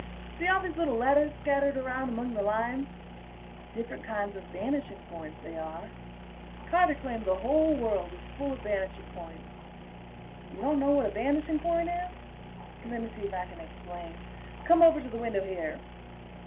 See all those little letters scattered around among the lines? Different kinds of vanishing points, they are. Carter claimed the whole world was full of vanishing points. You don't know what a vanishing point is? Lemme see if I can explain. Come over to the window here.